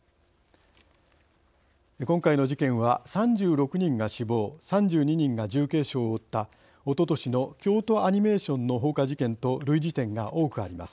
今回の事件は３６人が死亡３２人が重軽傷を負ったおととしの京都アニメーションの放火事件と類似点が多くあります。